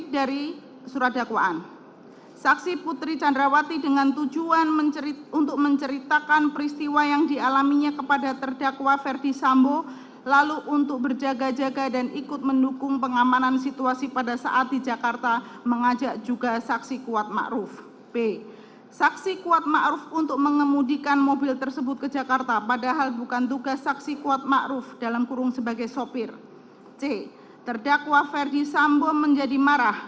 jaksa penuntut umum tidak cermat dalam menyusun surat dakwaan karena hanya berdasarkan asumsi serta membuat kesimpulan sendiri